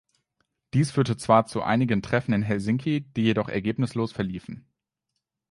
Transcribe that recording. Dies führte zwar zu einigen Treffen in Helsinki, die jedoch ergebnislos verliefen.